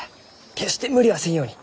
決して無理はせんように。